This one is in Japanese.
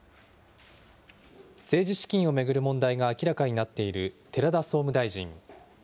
政治資金を巡る問題が明らかになっている寺田総務大臣。